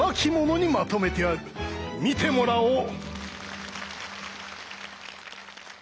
見てもらおう！